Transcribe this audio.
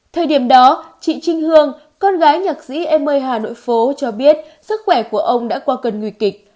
thời điểm đó chị trinh hương con gái nhạc sĩ em ơi hà nội phố cho biết sức khỏe của ông đã qua cần người kịch